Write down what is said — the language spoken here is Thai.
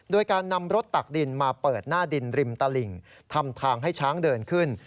โดยการนำรถตักดินมาเปิดหน้าดินริมตลิ่งทำทางให้ช้างเดินขึ้น